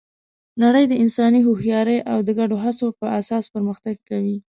نړۍ د انساني هوښیارۍ او د ګډو هڅو پر اساس پرمختګ کوي.